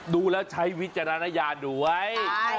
ดูแล้วใช้วิทยอะนัยกดูไว้